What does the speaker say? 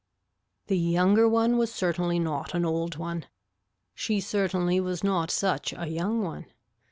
The younger one was certainly not an old one. She certainly was not such a young one.